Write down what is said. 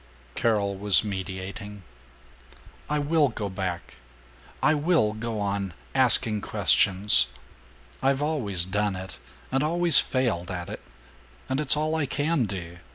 Carol was mediating, "I will go back! I will go on asking questions. I've always done it, and always failed at it, and it's all I can do.